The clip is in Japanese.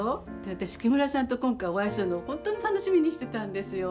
私、木村さんと今回お会いするの本当に楽しみにしていたんですよ。